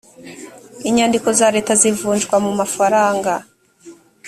inyandiko za leta zivunjwa mu mafaranga